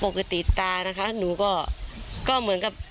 ปกติตานะคะหนูก็เหมือนกับ